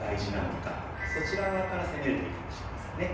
そちら側から攻めるといいかもしれませんね。